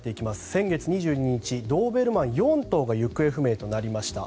先月２２日、ドーベルマン４頭が行方不明となりました。